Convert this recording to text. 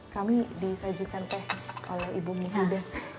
kami disajikan teh kalau ibu minta deh